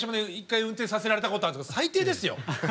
１回運転させられたことあるんですけど最低ですよ。